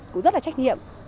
cụ rất là trách nhiệm